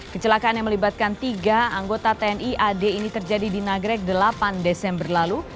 kecelakaan yang melibatkan tiga anggota tni ad ini terjadi di nagrek delapan desember lalu